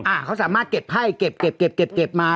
อ่าเขาสามารถเก็บไพ่เก็บเก็บมา